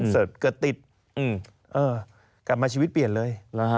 เสิร์ชก็ติดเออกลับมาชีวิตเปลี่ยนเลย